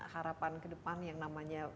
harapan kedepan yang namanya